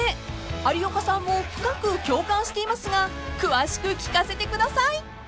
［有岡さんも深く共感していますが詳しく聞かせてください］